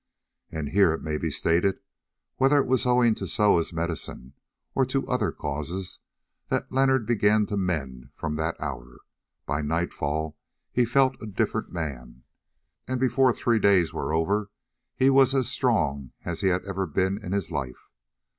And here it may be stated, whether it was owing to Soa's medicine or to other causes, that Leonard began to mend from that hour. By nightfall he felt a different man, and before three days were over he was as strong as he had ever been in his life.